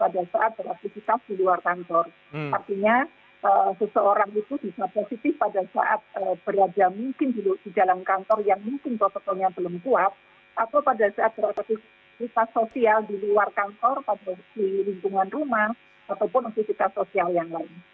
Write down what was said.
atau pada saat beraktifitas sosial di luar kantor pada saat di lingkungan rumah ataupun aktivitas sosial yang lain